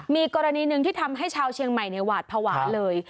มีกรณีหนึ่งที่ทำให้ชาวเชียงใหม่หวาดภาวะเลย